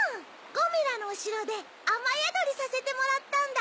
ゴミラのおしろであまやどりさせてもらったんだ。